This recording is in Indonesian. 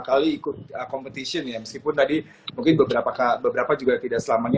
kali ikut competition ya meskipun tadi mungkin beberapa kak beberapa juga tidak selamanya